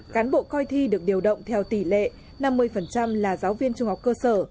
cán bộ coi thi được điều động theo tỷ lệ năm mươi là giáo viên trung học cơ sở